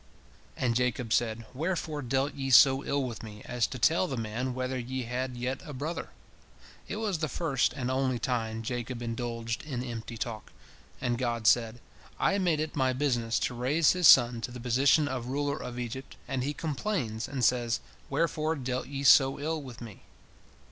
And Jacob said, "Wherefore dealt ye so ill with me as to tell the man whether ye had yet a brother?" It was the first and only time Jacob indulged in empty talk, and God said, "I made it My business to raise his son to the position of ruler of Egypt, and he complains, and says, Wherefore dealt ye so ill with me?"